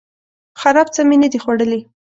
خراب څه می نه دي خوړلي